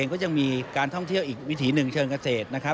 ก็จะมีการท่องเที่ยวอีกวิธีหนึ่งเชิญเกษตร